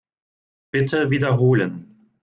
Bitte wiederholen.